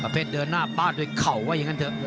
อเฟศเดินหน้าบ้านด้วยเข่าไว้ยังงั้นเถอะ